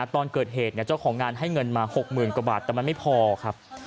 ตอนเกิดเหตุเจ้าของงานให้เงินมา๖๐๐๐กว่าบาทแต่มันไม่พอครับ